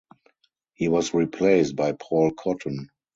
He was replaced by Paul Cotton.